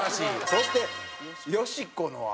そしてよしこのは。